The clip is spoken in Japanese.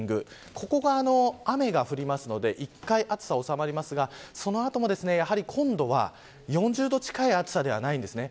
そこが雨が降るので一回、暑さが収まりますがその後も今度は４０度近い暑さではないんですね